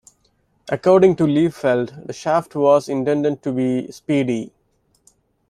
According to Liefeld, Shaft was intended to be Speedy.